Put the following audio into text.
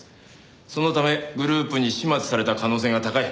そのためグループに始末された可能性が高い。